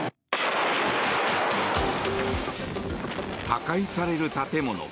破壊される建物。